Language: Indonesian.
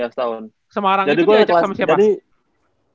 semarang itu di jawa jawa tengah sama siapa